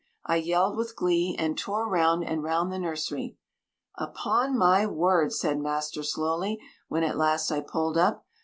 I yelled with glee, and tore round and round the nursery. "Upon my word," said master slowly, when at last I pulled up.